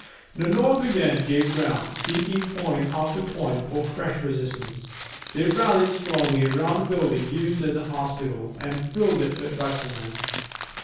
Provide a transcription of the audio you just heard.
The North again gave ground, seeking point after point for fresh resistance. They rallied strongly around a building used as a hospital, and filled it with riflemen.